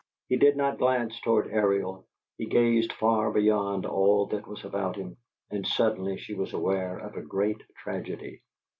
He did not glance toward Ariel; he gazed far beyond all that was about him; and suddenly she was aware of a great tragedy.